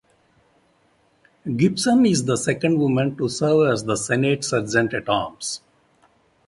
Gibson is the second woman to serve as the Senate Sergeant at Arms.